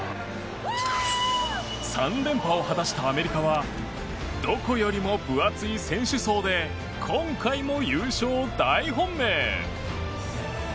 ３連覇を果たしたアメリカはどこよりも分厚い選手層で今回も優勝大本命。